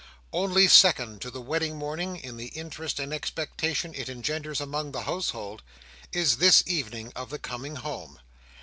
Only second to the wedding morning, in the interest and expectation it engenders among the household, is this evening of the coming home.